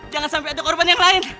jangan sampai ada korban yang lain